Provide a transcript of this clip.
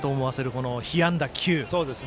この被安打９。